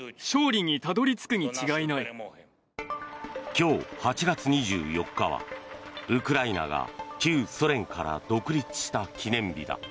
今日、８月２４日はウクライナが旧ソ連から独立した記念日だ。